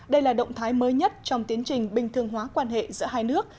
đây là động thái mới nhất trong tiến trình bình thường hóa quan hệ giữa hai nước